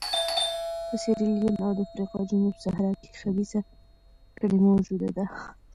په سیریلیون او د افریقا جنوب صحرا کې خبیثه کړۍ موجوده ده.